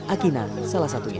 akina salah satunya